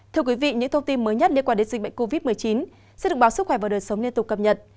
thưa quý vị những thông tin mới nhất liên quan đến dịch bệnh covid một mươi chín sẽ được báo sức khỏe và đời sống liên tục cập nhật